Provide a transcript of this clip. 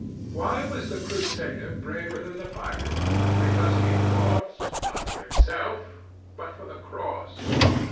Why was the Crusader braver than the pirate? Because he fought, not for himself, but for the Cross.